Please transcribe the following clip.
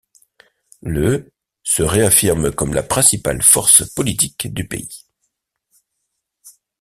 Le se réaffirme comme la principale force politique du pays.